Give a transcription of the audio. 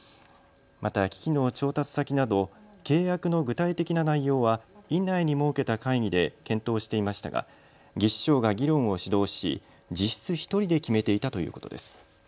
また機器の調達先など契約の具体的な内容は院内に設けた会議で検討していましたが技士長が議論を主導し実質１人で決めていたということです。